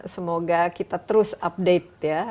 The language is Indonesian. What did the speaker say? semoga kita terus update ya